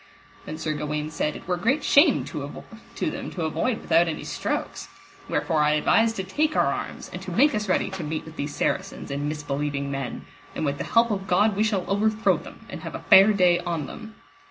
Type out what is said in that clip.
Then Sir Gawaine said, it were great shame to them to avoid without any strokes; Wherefore I advise to take our arms and to make us ready to meet with these Saracens and misbelieving men, and with the help of God we shall overthrow them and have a fair day on them.